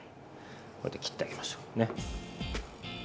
こうやって切ってあげましょうね。